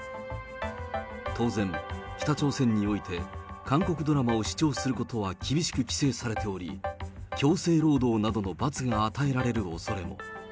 当然、北朝鮮において韓国ドラマを視聴することは厳しく規制されており、強制労働などの罰が与えられるおそれも。